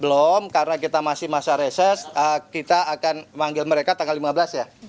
belum karena kita masih masa reses kita akan manggil mereka tanggal lima belas ya